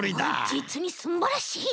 じつにすんばらしい。